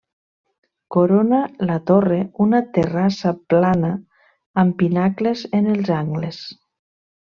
Corona la torre una terrassa plana amb pinacles en els angles.